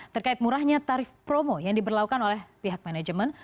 terkait murahnya tarif promo yang diberlakukan oleh pihak manajemen